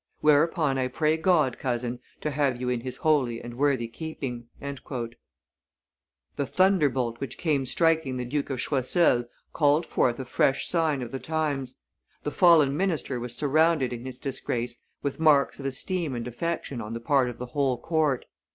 Whereupon I pray God, cousin, to have you in His holy and worthy keeping." The thunderbolt which came striking the Duke of Choiseul called forth a fresh sign of the times. The fallen minister was surrounded in his disgrace with marks of esteem and affection on the part of the whole court.